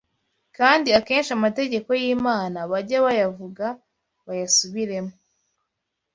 kandi akenshi Amategeko y’Imana bajye bayavuga bayasubiremo